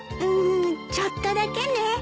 んちょっとだけね。